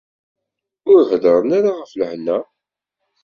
Ur heddren ara ɣef lehna.